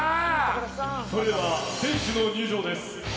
それでは選手の入場です！